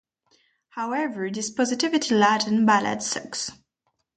However, this positivity-laden ballad sucks.